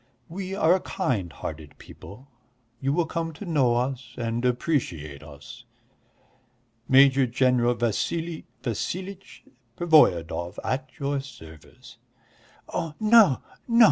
We are kind hearted people, you will come to know us and appreciate us. Major General Vassili Vassilitch Pervoyedov, at your service." "Oh, no, no!